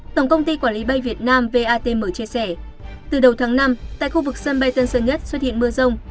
tổng công ty quản lý bay việt nam vatm chia sẻ từ đầu tháng năm tại khu vực sân bay tân sơn nhất xuất hiện mưa rông